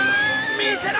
見せろ！